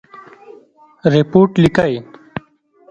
رپوټ لیکئ؟